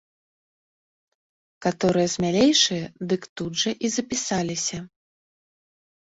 Каторыя смялейшыя, дык тут жа і запісаліся.